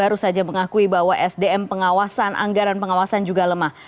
baru saja mengakui bahwa sdm pengawasan anggaran pengawasan juga lemah